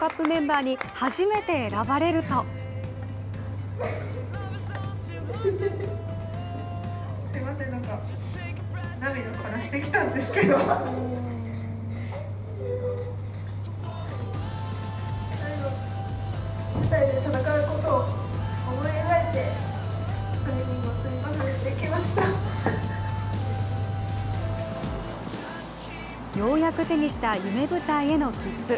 今回、ワールドカップメンバーに初めて選ばれるとようやく手にした夢舞台への切符。